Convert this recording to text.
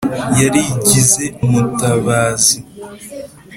. Yarigize umutabazi